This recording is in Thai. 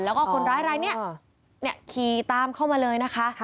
แล้วก็คนร้ายอะไรนี่คลีตามเข้ามาเลยนะคะ